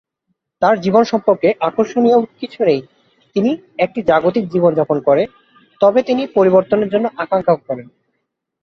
তার জীবন সম্পর্কে আকর্ষণীয় কিছু নেই; তিনি একটি জাগতিক জীবন যাপন করেন তবে তিনি পরিবর্তনের জন্য আকাঙ্ক্ষা করেন।